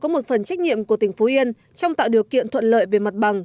một phần trách nhiệm của tỉnh phú yên trong tạo điều kiện thuận lợi về mặt bằng